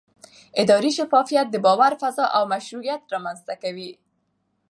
اداري شفافیت د باور فضا او مشروعیت رامنځته کوي